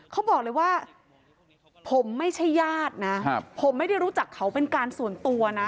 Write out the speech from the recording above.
เขาบอกเลยว่าผมไม่ใช่ญาตินะผมไม่ได้รู้จักเขาเป็นการส่วนตัวนะ